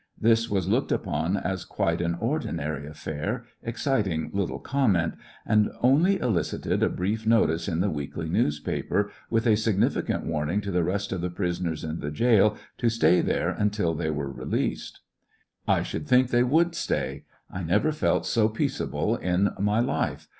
This was looked upon as quite an ordinary affair, exciting little com ment, and only elicited a brief notice in the weekly newspaper, with a significant warning to the rest of the prisoners in the jail to stay there until they were released. I should think they would stay. I never felt so peace able in my life.